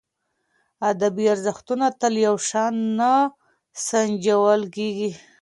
ادبي ارزښتونه تل یو شان نه سنجول کېږي.